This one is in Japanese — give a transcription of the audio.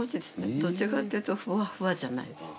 どっちかっていうとふわふわじゃないです。